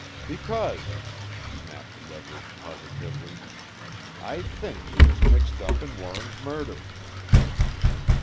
"Because," snapped Leverage positively, "I think he was mixed up in Warren's murder!"